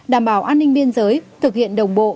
đảm bảo an ninh biên giới thực hiện đồng bộ